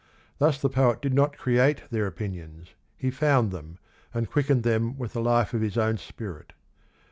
Thus the poet did not create their opinions; he found them, and quickened them with the life of his own spirit.